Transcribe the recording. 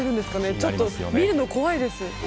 ちょっと見るのが怖いです。